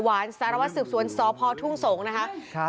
หวานสารวัตรสืบสวนสพทุ่งสงฆ์นะครับ